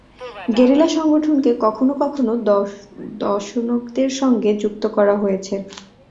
Guerrilla সংগঠনকে কখনও কখনও দশনকদের সঙ্গে যুক্ত করা হয়েছে।